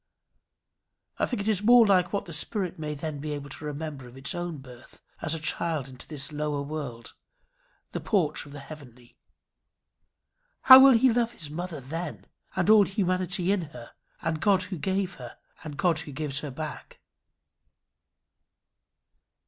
I think it is more like what the spirit may then be able to remember of its own birth as a child into this lower world, this porch of the heavenly. How will he love his mother then! and all humanity in her, and God who gave her, and God who gives her back!